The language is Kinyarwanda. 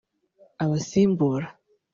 Abasimbura